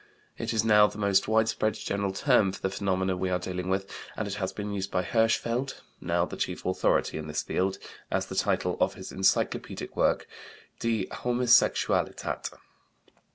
It is now the most widespread general term for the phenomena we are dealing with, and it has been used by Hirschfeld, now the chief authority in this field, as the title of his encyclopedic work, Die Homosexualität.